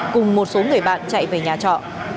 cùng một số người bạn chạy về nhà trọ